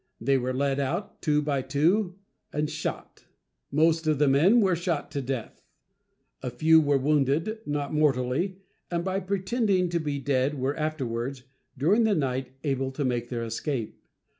They were led out, two by two, and shot. Most of the men were shot to death. A few were wounded, not mortally, and by pretending to be dead were afterwards, during the night, able to make their escape.